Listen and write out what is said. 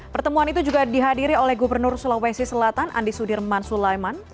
pertemuan itu juga dihadiri oleh gubernur sulawesi selatan andi sudirman sulaiman